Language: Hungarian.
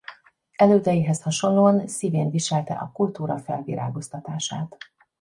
Elődeihez hasonlóan szívén viselte a kultúra felvirágoztatását.